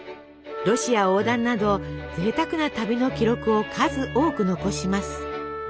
ロシア横断などぜいたくな旅の記録を数多く残します。